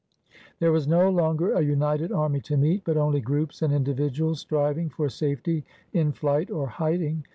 There was no longer a united army to meet, but only groups and individuals striving for safety in flight or hiding.